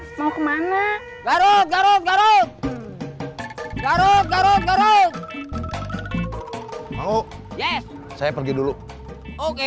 mau kemana garut garut garut garut garut garut mau yes saya pergi dulu oke